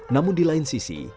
namun di lain sisi